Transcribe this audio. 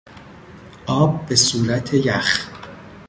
آب به صورت یخ